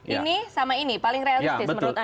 ini sama ini paling realistis menurut anda